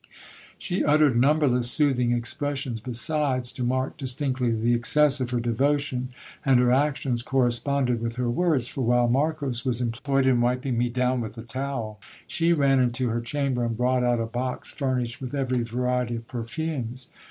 She uttered numberless soothing expressions besides, to mark distinctly the excess of her devotion, and her actions corresponded with her words ; for while Marcos was employed in wiping me down with a towel, she ran into her cham ber and brought out a box furnished with every variety of perfumes.